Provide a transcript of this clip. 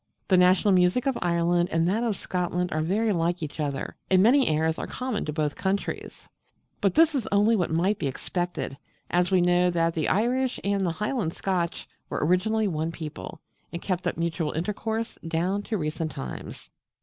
The national music of Ireland and that of Scotland are very like each other, and many airs are common to both countries: but this is only what might be expected, as we know that the Irish and the Highland Scotch were originally one people, and kept up mutual intercourse down to recent times.